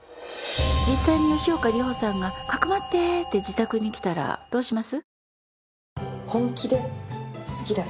実際に吉岡里帆さんが匿ってって自宅に来たらどうします？